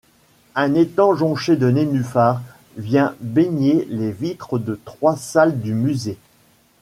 Un étang jonché de nénuphars vient baigner les vitres de trois salles du musée.